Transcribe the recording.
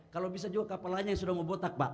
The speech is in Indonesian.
kalau bisa juga kapal lainnya yang sudah membotak pak